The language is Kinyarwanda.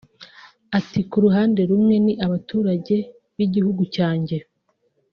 Ati “Ku ruhande rumwe ni abaturage b’igihugu cyanjye